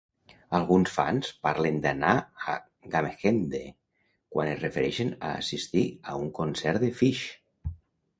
Alguns fans parlen d'"anar a Gamehendge" quan es refereixen a assistir a un concert de Phish.